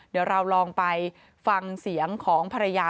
เดี๋ยวเราลองไปฟังเสียงของภรรยา